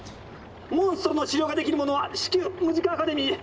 「モンストロの治療ができる者は至急ムジカ・アカデミーへ！」。